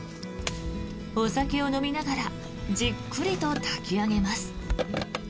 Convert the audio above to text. お酒を飲みながらじっくりと炊き上げます。